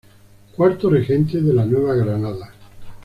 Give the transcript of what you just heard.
Cuarto regente de la Nueva Granada.